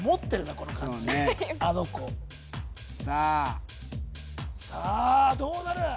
この漢字あの子さあさあどうなる？